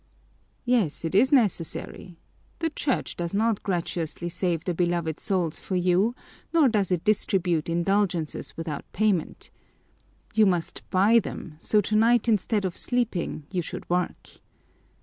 Yes, it is necessary. The Church does not gratuitously save the beloved souls for you nor does it distribute indulgences without payment. You must buy them, so tonight instead of sleeping you should work.